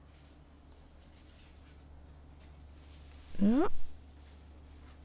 ん？